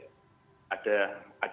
banyak yang kita lakukan kita melakukan itu